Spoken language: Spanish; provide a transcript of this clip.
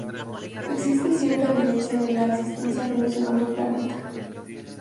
Existe cierta evidencia de la existencia de un segundo planeta.